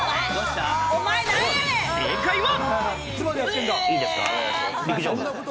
正解は。